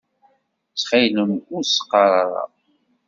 Ttxil-m ur s-qqaṛ ara.